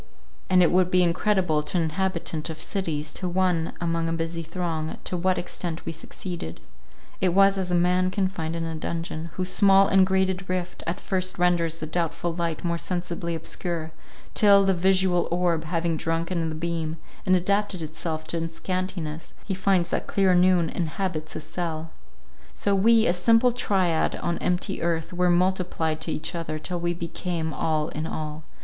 And it would be incredible to an inhabitant of cities, to one among a busy throng, to what extent we succeeded. It was as a man confined in a dungeon, whose small and grated rift at first renders the doubtful light more sensibly obscure, till, the visual orb having drunk in the beam, and adapted itself to its scantiness, he finds that clear noon inhabits his cell. So we, a simple triad on empty earth, were multiplied to each other, till we became all in all.